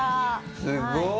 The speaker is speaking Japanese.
すごい！